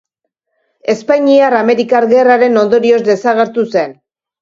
Espainiar-amerikar gerraren ondorioz desagertu zen.